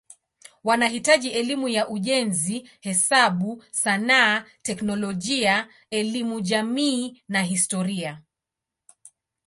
Wanahitaji elimu ya ujenzi, hesabu, sanaa, teknolojia, elimu jamii na historia.